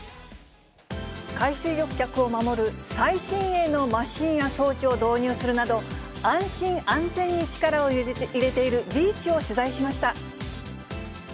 海水浴客を守る最新鋭のマシンや装置を導入するなど、安心安全に力を入れているビーチを取材しました。